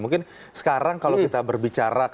mungkin sekarang kalau kita berbicara kartu kredit